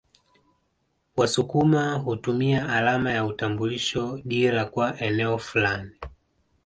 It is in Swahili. Wasukuma hutumia alama ya utambulisho dira kwa eneo fulani